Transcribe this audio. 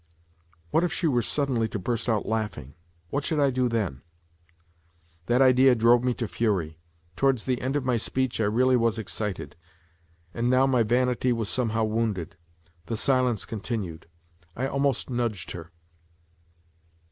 "What if she were suddenly to burst out laughing, what should I do then ?" That idea drove me to fury. Towards the end of my speech I really was excited, and now my vanity was somehow wounded. The silence continued. I almost nudged her.